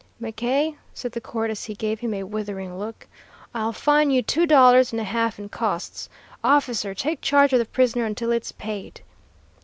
"'McKay,' said the court as he gave him a withering look, 'I'll fine you two dollars and a half and costs. Officer, take charge of the prisoner until it's paid!'